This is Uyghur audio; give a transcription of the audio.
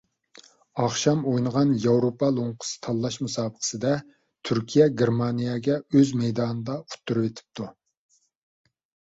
ئاخشام ئوينىغان ياۋروپا لوڭقىسى تاللاش مۇسابىقىسىدە تۈركىيە گېرمانىيەگە ئۆز مەيدانىدا ئۇتتۇرۇۋېتىپتۇ.